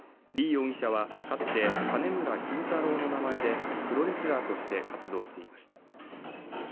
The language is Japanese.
容疑者はかつて金村キンタローの名前でプロレスラーとして活動していました